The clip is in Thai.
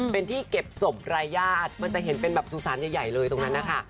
เป็นที่เก็บศพรายญาติมันจะเห็นเป็นแบบสุสานใหญ่เลยตรงนั้นนะคะ